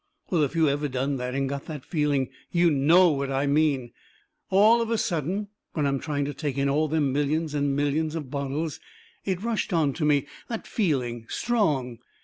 Well, if you ever done that and got that feeling, you KNOW what I mean. All of a sudden, when I am trying to take in all them millions and millions of bottles, it rushed onto me, that feeling, strong.